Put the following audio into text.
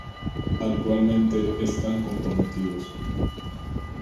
Actualmente están comprometidos